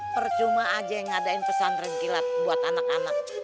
percuma aja yang ngadain pesan rengkilat buat anak anak